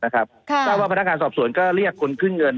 ก็ว่าพนักการณ์สอบสวนก็เรียกคนขึ้นเงิน